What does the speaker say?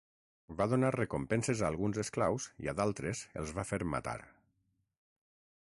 Va donar recompenses a alguns esclaus i a d'altres els va fer matar.